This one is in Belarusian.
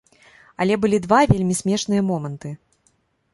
Але былі два вельмі смешныя моманты.